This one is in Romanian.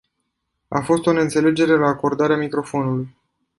A fost o neînțelegere la acordarea microfonului.